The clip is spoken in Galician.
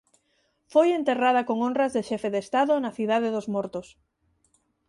Foi enterrada con honras de xefe de estado na Cidade dos Mortos.